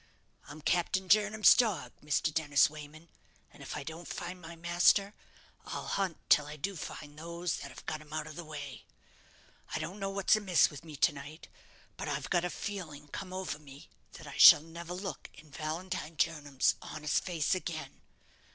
I'm Captain Jernam's dog, Mr. Dennis Wayman; and if I don't find my master, I'll hunt till I do find those that have got him out of the way. I don't know what's amiss with me to night; but I've got a feeling come over me that I shall never look in Valentine Jernam's honest face again.